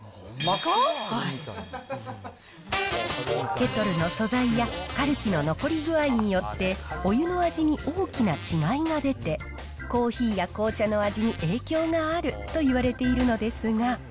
ケトルの素材やカルキの残り具合によって、お湯の味に大きな違いが出て、コーヒーや紅茶の味に影響があるといわれているのですが。